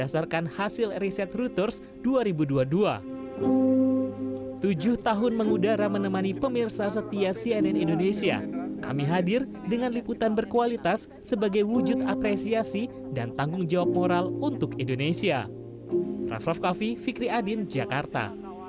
sampai jumpa di video selanjutnya